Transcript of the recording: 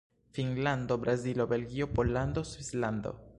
Finnlando, Brazilo, Belgio, Pollando, Svislando.